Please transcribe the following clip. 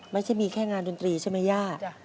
ไม่ใช่มีแค่งานดนตรีใช่ไหมย่า